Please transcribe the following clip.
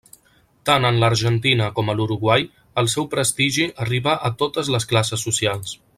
Tant en l'Argentina com a l'Uruguai, el seu prestigi arribà a totes les classes socials.